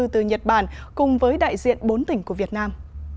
từ nhật bản cùng với đại diện bốn tỉnh của việt nam